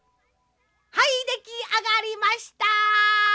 はいできあがりました！